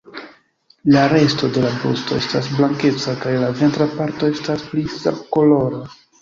La resto de la brusto estas blankeca kaj la ventra parto estas pli sablokolora.